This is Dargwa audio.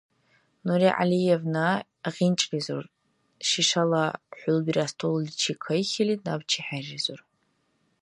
Нури ГӀялиевна гъинчӀризур, шишала хӀулбира столличи кайхьили, набчи хӀерризур.